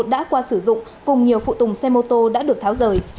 đã qua sử dụng cùng nhiều phụ tùng xe mô tô đã được tháo rời